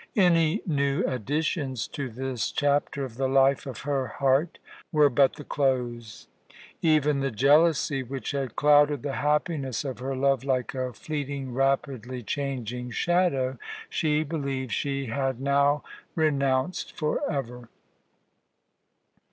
Any new additions to this chapter of the life of her heart were but the close. Even the jealousy which had clouded the happiness of her love like a fleeting, rapidly changing shadow, she believed she had now renounced forever.